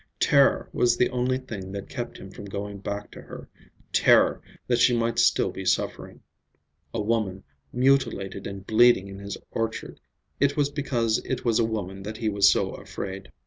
Terror was the only thing that kept him from going back to her, terror that she might still be she, that she might still be suffering. A woman, mutilated and bleeding in his orchard—it was because it was a woman that he was so afraid.